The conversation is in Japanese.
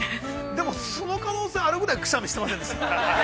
でも、その可能性あるぐらい、くしゃみしていました。